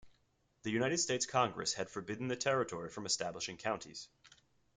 The United States Congress had forbidden the territory from establishing counties.